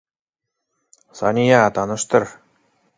Сания, таныштыр.